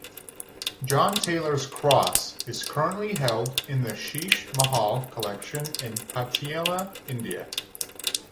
John Taylor's Cross is currently held in the Sheesh Mahal Collection in Patiala, India.